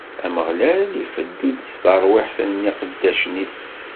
Ameɣlal ifeddu-d tarwiḥt n yiqeddacen-is.